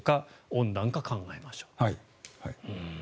温暖化を考えましょう。